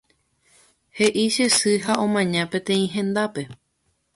He'i che sy ha omaña peteĩ hendápe.